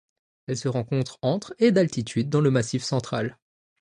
Elle se rencontre entre et d'altitude dans le massif Central.